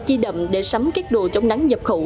chi đậm để sắm các đồ chống nắng nhập khẩu